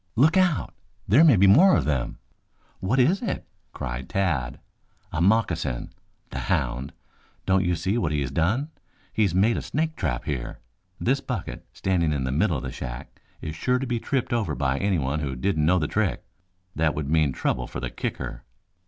"Look out! There may be more of them!" "What is it?" cried Tad. "A moccasin! The hound. Don't you see what he has done? He's made a snake trap here. This bucket standing in the middle of the shack is sure to be tripped over by anyone who didn't know the trick. That would mean trouble for the kicker."